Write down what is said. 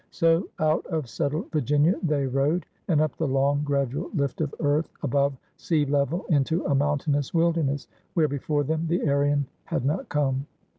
So out of settled Virginia they rode, and up the long, gradual lift of earth above sea level into a mountainous wilderness, where before them the Aryan had not come.